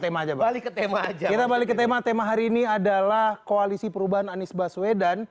tema aja balik ke tema aja kita balik ke tema tema hari ini adalah koalisi perubahan anies baswedan